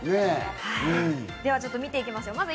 ではちょっと見ていきましょう。